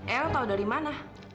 el tau dari mana